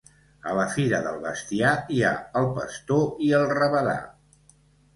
A la fira del bestiar hi ha el pastor i el rabadà.